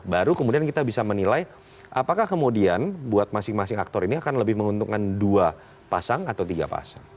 baru kemudian kita bisa menilai apakah kemudian buat masing masing aktor ini akan lebih menguntungkan dua pasang atau tiga pasang